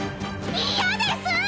嫌です！